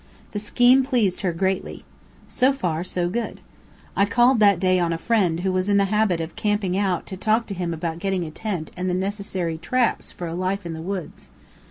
The scheme pleased her greatly. So far, so good. I called that day on a friend who was in the habit of camping out to talk to him about getting a tent and the necessary "traps" for a life in the woods.